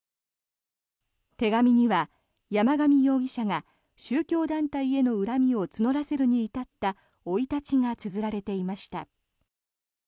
手紙には山上容疑者が宗教団体への恨みを募らせるに至った生い立ちがつづられていました。